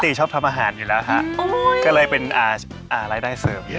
ติชอบทำอาหารอยู่แล่วค่ะก็เลยเป็นอะไรได้เสิร์ฟด้วย